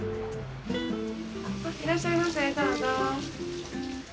いらっしゃいませどうぞ。